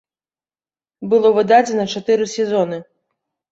Было выдадзена чатыры сезоны.